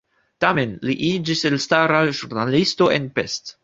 Tamen li iĝis elstara ĵurnalisto en Pest.